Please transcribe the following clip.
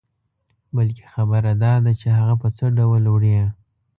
بلکې خبره داده چې هغه په څه ډول وړې.